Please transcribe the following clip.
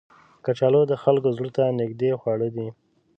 کچالو د خلکو زړه ته نیژدې خواړه دي